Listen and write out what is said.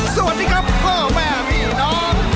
สวัสดีครับพ่อแม่พี่น้อง